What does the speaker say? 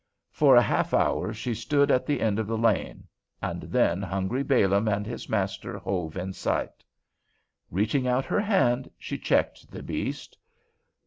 For a half hour she stood at the end of the lane, and then hungry Balaam and his master hove in sight. Reaching out her hand, she checked the beast.